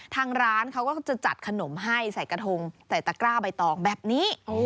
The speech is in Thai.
ทางร้านเขาก็จะจัดขนมให้ใส่กระทงใส่ตะกร้าใบตองแบบนี้